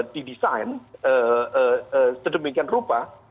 didesain sedemikian rupa